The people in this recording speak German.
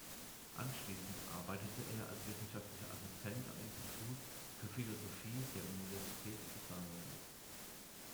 Anschließend arbeitete er als wissenschaftlicher Assistent am Institut für Philosophie der Universität des Saarlandes.